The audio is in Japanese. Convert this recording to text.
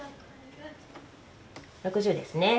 ６０ですね。